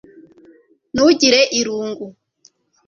ntugire irungu